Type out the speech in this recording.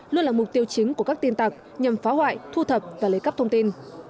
luôn là mục tiêu chính của các tin tặc nhằm phá hoại thu thập và lấy cắp thông tin